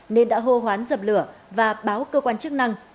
nên đã hô hoán dập lửa và báo cơ quan chức năng